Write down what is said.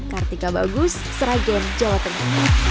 kartika bagus serah game jawabannya